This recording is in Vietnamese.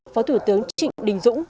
phó thủ tướng trịnh đình dũng